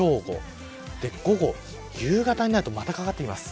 午後、夕方になるとまたかかってきます。